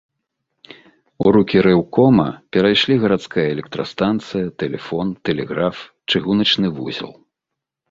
У рукі рэўкома перайшлі гарадская электрастанцыя, тэлефон, тэлеграф, чыгуначны вузел.